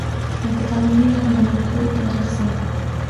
د پیتالوژي علم د ناروغیو تاریخ ساتي.